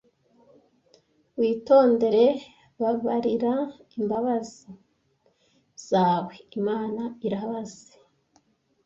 witondere babarira imbabazi zawe imana irabaze